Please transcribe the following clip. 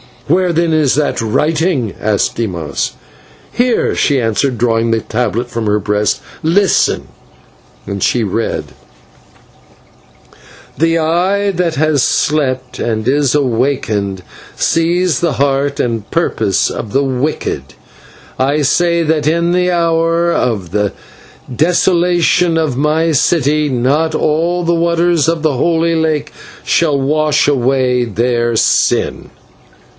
"Where, then, is that writing?" asked Dimas. "Here," she answered, drawing the tablet from her breast. "Listen " and she read: "/The Eye that has slept and is awakened sees the heart and purpose of the wicked. I say that in the hour of the desolation of my city not all the waters of the Holy Lake shall wash away their sin.